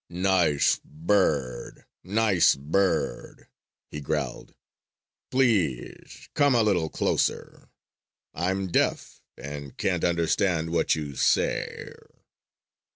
"Nice bird! Nice bird!" he growled. "Please come a little closer! I'm deaf and can't understand what you say."